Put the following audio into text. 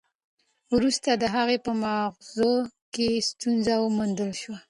وروسته د هغه په مغز کې ستونزه وموندل شوه.